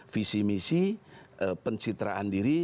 visi misi pensitraan diri